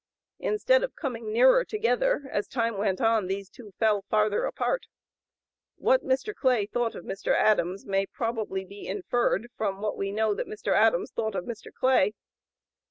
Instead of coming nearer together, as time went on, these two fell farther apart. What Mr. Clay thought of Mr. Adams may probably be inferred from what we know that Mr. Adams thought of Mr. Clay.